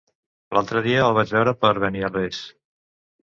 L'altre dia el vaig veure per Beniarrés.